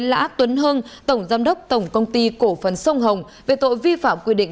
lã tuấn hưng tổng giám đốc tổng công ty cổ phần sông hồng về tội vi phạm quy định